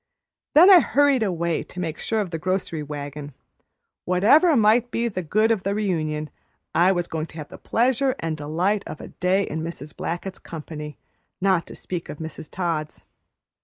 Then I hurried away to make sure of the grocery wagon. Whatever might be the good of the reunion, I was going to have the pleasure and delight of a day in Mrs. Blackett's company, not to speak of Mrs. Todd's.